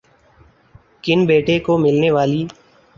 کن بیٹے کو ملنے والی